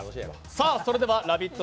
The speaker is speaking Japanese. それではラヴィット！